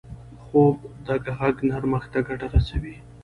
خوب د غږ نرمښت ته ګټه رسوي